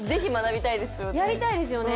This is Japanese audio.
やりたいですよね。